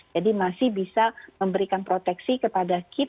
jadi masih bisa memberikan proteksi kepada kita